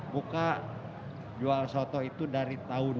buka jual soto itu dari tahun delapan puluh